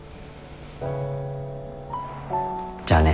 じゃあね。